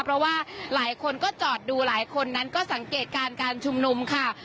เพราะว่าหลายคนก็จอดดูหลายคนนั้นก็สังเกตการณ์การชุมนุมค่ะ